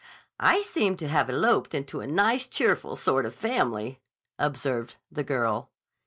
"I seem to have eloped into a nice cheerful sort of family," observed the girl.